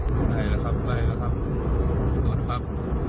คสัยคนนี้ว่าจะข้ามมาแล้วครับ